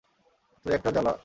তুই একটা জ্বালা!